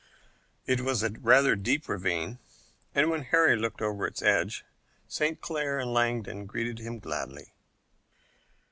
It was a rather deep ravine, and when Harry looked over its edge, St. Clair and Langdon greeted him gladly.